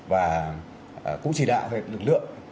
và cũng chỉ đạo về lực lượng